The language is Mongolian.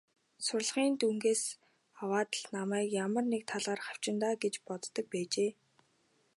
Сурлагын дүнгээс аваад л намайг ямар нэг талаар хавчина даа гэж боддог байжээ.